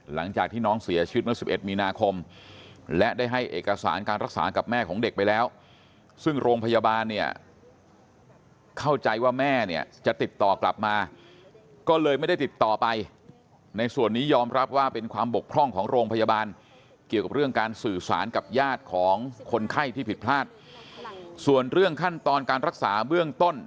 หลังจากที่น้องเสียชีวิตเมื่อ๑๑มีนาคมและได้ให้เอกสารการรักษากับแม่ของเด็กไปแล้วซึ่งโรงพยาบาลเนี่ยเข้าใจว่าแม่เนี่ยจะติดต่อกลับมาก็เลยไม่ได้ติดต่อไปในส่วนนี้ยอมรับว่าเป็นความบกพร่องของโรงพยาบาลเกี่ยวกับเรื่องการสื่อสารกับญาติของคนไข้ที่ผิดพลาดส่วนเรื่องขั้นตอนการรักษาเบื้องต้น